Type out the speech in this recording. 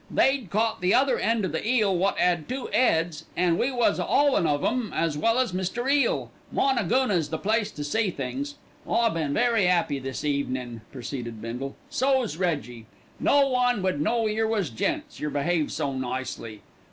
They'd caught the other end o' the eel, wot 'ad two 'eads, an' we was a 'aulin' of 'em as well as Mister Eel. Moonagoona's the place to see things. "I been very 'appy this evenin'," proceeded Bindle, "so's Reggie. No one would know yer was gents, yer behave so nicely."